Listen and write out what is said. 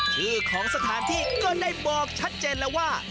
ชื่อของสถานที่ก็ได้บอกชัดเจนแล้วว่า